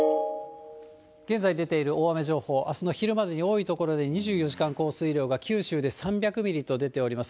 現在出ている大雨情報、あすの昼までに多い所で２４時間降水量が九州で３００ミリと出ております。